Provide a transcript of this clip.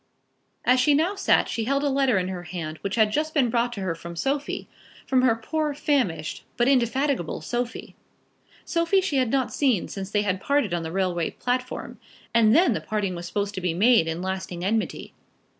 As she now sat she held a letter in her hand which had just been brought to her from Sophie, from her poor, famished, but indefatigable Sophie. Sophie she had not seen since they had parted on the railway platform, and then the parting was supposed to be made in lasting enmity.